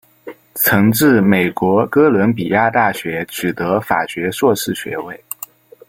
曾至美国哥伦比亚大学取得法学硕士学位。